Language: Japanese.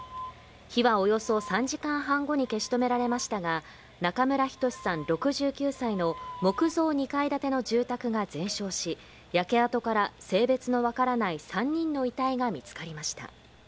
火はおよそ３時間半後に消し止められましたが、中村均さん６９歳の木造２階建ての住宅が全焼し、焼け跡から性別の分からない３人の遺体が見つかりました。